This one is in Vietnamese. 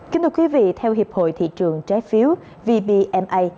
kính thưa quý vị theo hiệp hội thị trường trái phiếu vbma